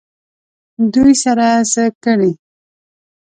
دوی سره څه کړي؟